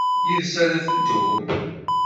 Yid-s ara ad teddum?